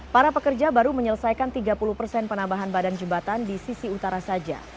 para pekerja baru menyelesaikan tiga puluh persen penambahan badan jembatan di sisi utara saja